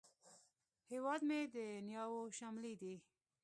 هیواد مې د نیاوو شملې دي